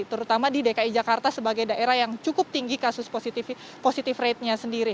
terutama di dki jakarta sebagai daerah yang cukup tinggi kasus positif ratenya sendiri